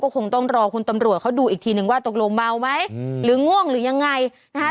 คงต้องรอคุณตำรวจเขาดูอีกทีนึงว่าตกลงเมาไหมหรือง่วงหรือยังไงนะคะ